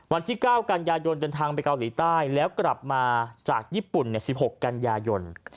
วันที่๙กันยายนเดินทางไปเกาหลีใต้แล้วกลับมาจากญี่ปุ่น๑๖กันยายน